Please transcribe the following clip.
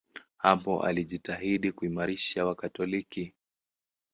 Hapo alijitahidi kuimarisha Wakatoliki.